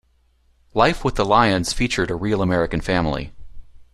"Life with the Lyons" featured a real American family.